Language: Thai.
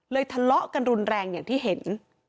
ทะเลาะกันรุนแรงอย่างที่เห็น